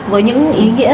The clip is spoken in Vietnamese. với những ý nghĩa